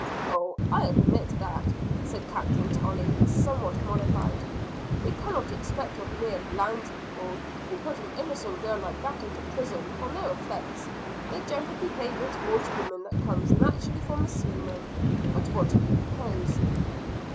"Oh, I admit that," said Captain Tolley, somewhat mollified, "we cannot expect of mere land's people, who put an innocent girl like that into prison for no offense, the gentle behavior towards women that comes naturally from a seaman; but what do you propose?"